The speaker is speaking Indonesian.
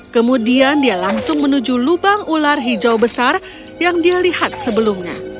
kemudian dia langsung menuju lubang ular hijau besar yang dia lihat sebelumnya